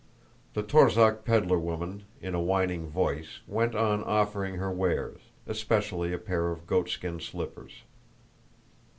The Torzhók peddler woman, in a whining voice, went on offering her wares, especially a pair of goatskin slippers.